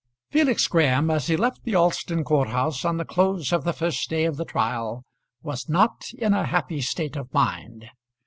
Felix Graham as he left the Alston court house on the close of the first day of the trial was not in a happy state of mind.